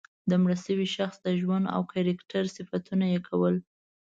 د مړه شوي شخص د ژوند او کرکټر صفتونه یې کول.